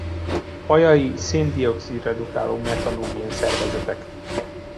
Fajai szén-dioxid redukáló metanogén szervezetek.